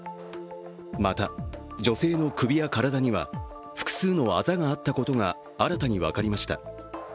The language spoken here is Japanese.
また、女性の首や体には複数のあざがあったことが新たに分かりました。